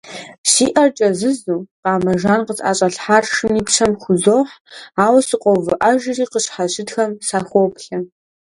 Си Ӏэр кӀэзызу, къамэ жан къысӀэщӀалъхьар шым и пщэм хузохь, ауэ сыкъоувыӀэжри, къысщхьэщытхэм сахоплъэ.